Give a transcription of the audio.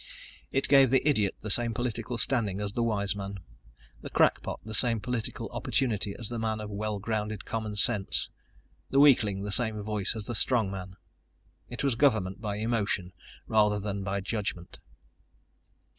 It gave the idiot the same political standing as the wise man, the crackpot the same political opportunity as the man of well grounded common sense, the weakling the same voice as the strong man. It was government by emotion rather than by judgment.